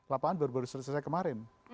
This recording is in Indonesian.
lapangan baru baru selesai kemarin